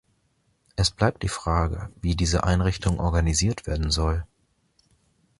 Es bleibt die Frage, wie diese Einrichtung organisiert werden soll.